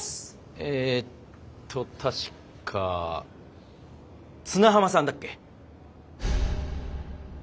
えっと確か綱浜さんだっけ？